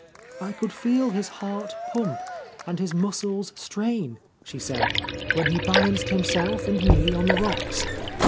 "I could feel his heart pump and his muscles strain," she said, "when he balanced him self and me on the rocks.